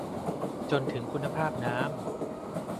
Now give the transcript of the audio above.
จนถึงคุณภาพน้ำ